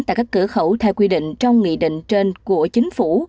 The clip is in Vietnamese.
tại các cửa khẩu theo quy định trong nghị định trên của chính phủ